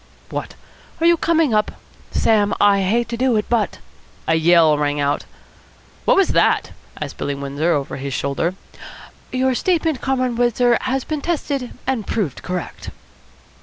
What, are you coming up? Sam, I hate to do it, but " A yell rang out. "What was that?" asked Billy Windsor over his shoulder. "Your statement, Comrade Windsor, has been tested and proved correct."